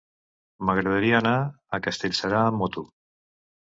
M'agradaria anar a Castellserà amb moto.